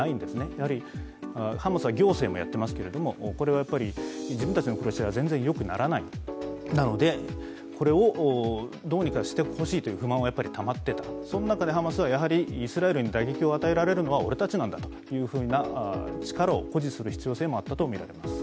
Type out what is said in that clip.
やはりハマスは行政もやっていますけれども自分たちの暮らしは全然よくならない、なので、これをどうにかしてほしいという不満はたまっていた、その中でハマスはイスラエルに打撃を与えられるのは俺たちなんだというふうな力を誇示する必要性もあったと思います。